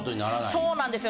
そうなんですよ。